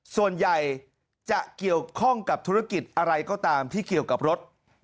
ส่วนใหญ่จะเกี่ยวข้องกับธุรกิจอะไรก็ตามที่เกี่ยวกับรถ